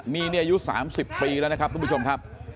มีเนี่ยอายุ๓๐ปีแล้วนะครับทุกผู้ชมครับ